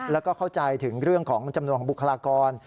แล้วก็เข้าใจถึงเรื่องของจำนวนของบุคลากร